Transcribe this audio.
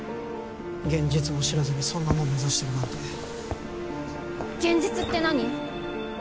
現実も知らずにそんなもん目指してるなんて現実って何？